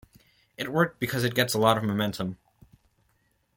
It worked because it gets up a lot of momentum.